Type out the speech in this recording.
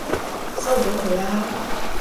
收咗佢啦！